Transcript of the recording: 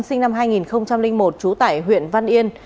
sinh năm hai nghìn một trú tại huyện văn yên